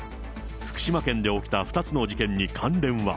福島県で起きた２つの事件に関連は。